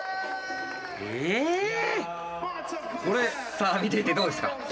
さあ見ていてどうでしたか？